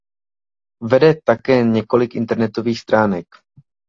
Vede také několik internetových stránek.